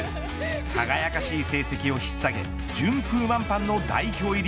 輝かしい成績を引っ下げ順風満帆の代表入り。